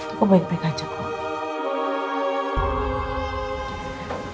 cukup baik baik aja kok